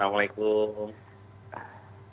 wa alaikumsalam selamat siang mas